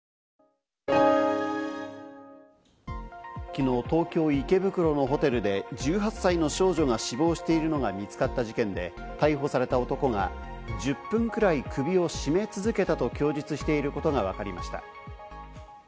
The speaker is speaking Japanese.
昨日、東京・池袋のホテルで１８歳の少女が死亡しているのが見つかった事件で、逮捕された男が１０分くらい首を絞め続けたと供述していることがわかりました。